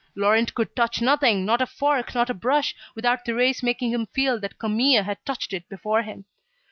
Laurent could touch nothing, not a fork, not a brush, without Thérèse making him feel that Camille had touched it before him.